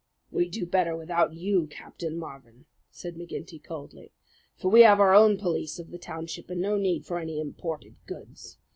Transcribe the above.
"We'd do better without you, Captain Marvin," said McGinty coldly; "for we have our own police of the township, and no need for any imported goods.